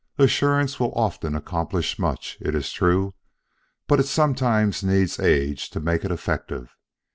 Assurance will often accomplish much, it is true, but it sometimes needs age to make it effective.